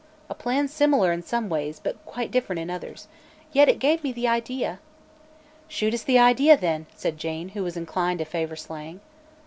A plan similar, in some ways, but quite different in others. Yet it gave me the idea." "Shoot us the idea, then," said Jane, who was inclined to favor slang.